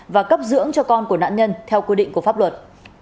và cấp dưỡng cho con của nạn nhân theo quy định của pháp luật